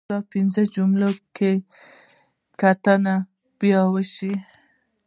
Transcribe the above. د پنځه جملې کره کتنه باید وشي.